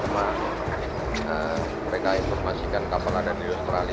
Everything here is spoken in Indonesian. mereka informasikan kapal ada di australia